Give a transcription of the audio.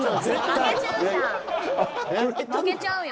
負けちゃうよ。